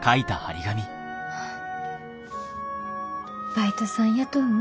バイトさん雇うん？